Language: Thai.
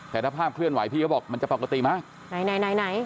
แต่ถ้าภาพเคลื่อนไหวพี่ก็บอกมันจะปกติไหมไหนไหน